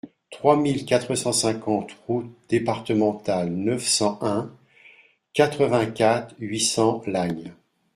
trois mille quatre cent cinquante route Départementale neuf cent un, quatre-vingt-quatre, huit cents, Lagnes